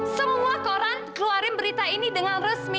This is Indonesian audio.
semua orang keluarin berita ini dengan resmi